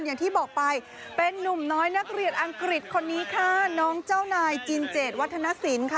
อย่างที่บอกไปเป็นนุ่มน้อยนักเรียนอังกฤษคนนี้ค่ะน้องเจ้านายจินเจดวัฒนศิลป์ค่ะ